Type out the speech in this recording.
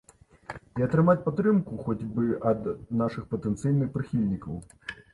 І атрымаць падтрымку хоць бы ад нашых патэнцыйных прыхільнікаў.